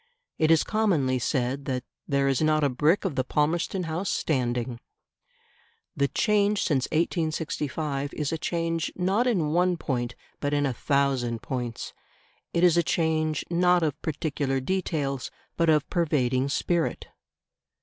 It is commonly said that "there is not a brick of the Palmerston House standing". The change since 1865 is a change not in one point but in a thousand points; it is a change not of particular details but of pervading spirit.